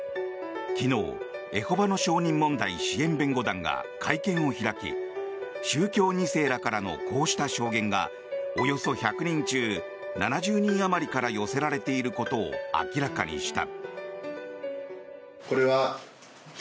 昨日エホバの証人問題支援弁護団が会見を開き宗教２世からのこうした証言がおよそ１００人中７０人あまりから寄せられていることを明らかにした。